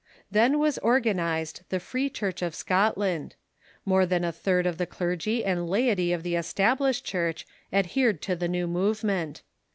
Tlien was organized the Free Church of Scot land. More than a third of the clergy and laity of the Estab lished Church adhered to the new movement.